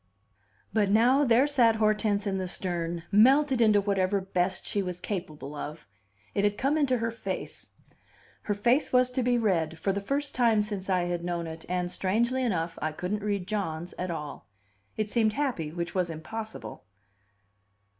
But now, there sat Hortense in the stern, melted into whatever best she was capable of; it had come into her face, her face was to be read for the first time since I had known it and, strangely enough, I couldn't read John's at all. It seemed happy, which was impossible.